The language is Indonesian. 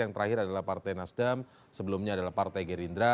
adalah partai nasdam sebelumnya adalah partai gerindra